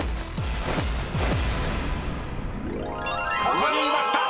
［ここにいました！］